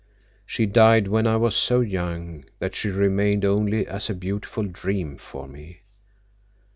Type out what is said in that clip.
She died when I was so young that she remained only as a beautiful dream for me.